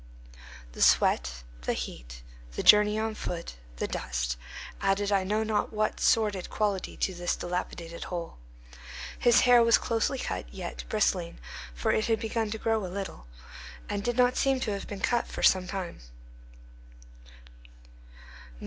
The sweat, the heat, the journey on foot, the dust, added I know not what sordid quality to this dilapidated whole. His hair was closely cut, yet bristling, for it had begun to grow a little, and did not seem to have been cut for some time.